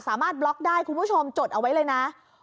บล็อกได้คุณผู้ชมจดเอาไว้เลยนะ